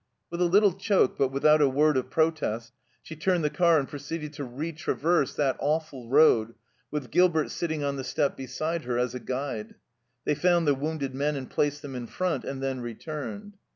With a little choke, but without a word of protest, she turned the car and proceeded to re traverse that awful road, with Gilbert sitting on the step beside her as a guide. They found the wounded men and placed them in front, and then returned.